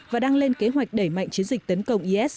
và đang lên kế hoạch đẩy mạnh chiến dịch tấn công is